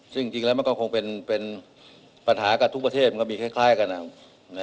ซึ่งจริงแล้วมันก็คงเป็นปัญหากับทุกประเทศมันก็มีคล้ายกัน